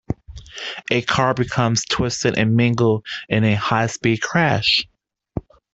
A car becomes twisted and mangled in a high speed crash.